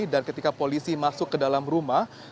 dan ketika polisi masuk ke dalam rumah